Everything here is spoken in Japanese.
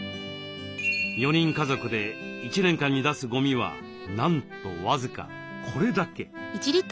４人家族で１年間に出すゴミはなんと僅かこれだけ。